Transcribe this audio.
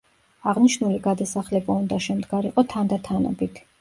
აღნშნული გადასახლება უნდა შემდგარიყო თანდათანობით.